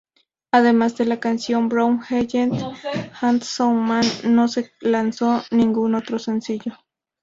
Además de la canción "Brown-Eyed Handsome Man", no se lanzó ningún otro sencillo.